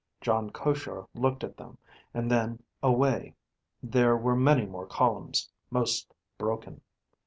Jon Koshar looked at them, and then away. There were many more columns, most broken.